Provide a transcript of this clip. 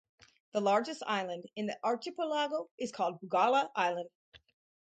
The largest island in the archipelago is called Bugala Island.